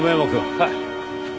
はい。